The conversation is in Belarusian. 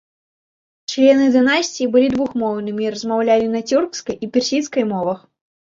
Члены дынастыі былі двухмоўнымі і размаўлялі на цюркскай і персідскай мовах.